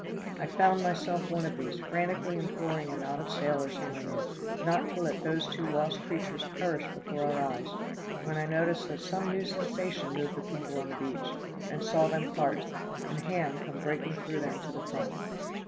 I found myself one of these, frantically imploring a knot of sailors whom I knew, not to let those two lost creatures perish before our eyes, when I noticed that some new sensation moved the people on the beach, and saw them part, and Ham come breaking through them to the front.